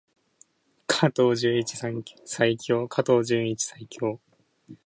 加藤純一最強！加藤純一最強！